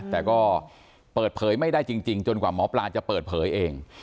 แต่ก็เปิดเผยไม่ได้จริงจนกว่าหมอปลาจะเปิดเผยเอง